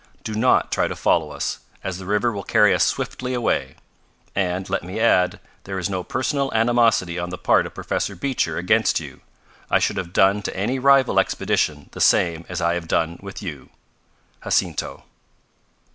Do not try to follow us, as the river will carry us swiftly away. And, let me add, there is no personal animosity on the part of Professor Beecher against you. I should have done to any rival expedition the same as I have done with you. JACINTO."